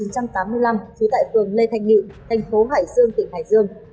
trú tại phường lê thành nghị thành phố hải dương tỉnh hải dương